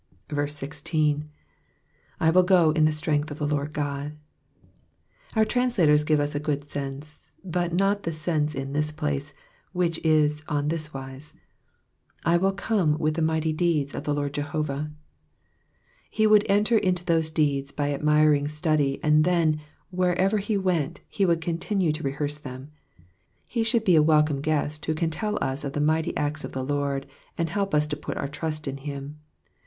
1(1. / will go in the strength of the Lord God,""' Our translators give us a good sense, but not the sense in this place, which is on this wise, I will come with the mighty deeds of the Lord Jehovah.'* He ^ould enter into those deeds by admiring study, and then, wherever he went, he would continue to rehearse them. Ho should ever be a welcome guest who can tell us of the mighty nets of the Lord, and help us to put our trust in him.